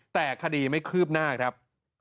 แต่คดีไม่คืบหน้าครับ